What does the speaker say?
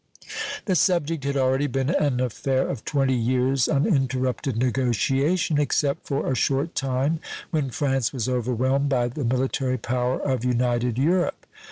The subject had already been an affair of 20 years' uninterrupted negotiation, except for a short time when France was overwhelmed by the military power of united Europe.